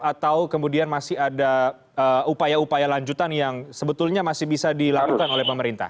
atau kemudian masih ada upaya upaya lanjutan yang sebetulnya masih bisa dilakukan oleh pemerintah